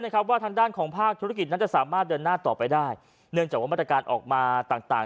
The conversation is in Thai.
ทางด้านของภาพธุรกิจนั้นจะสามารถเดินหน้าต่อไปได้เนื่องจากว่ามัตการต่างพรรดิการออกมา